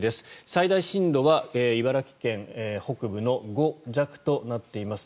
最大震度は茨城県北部の５弱となっています。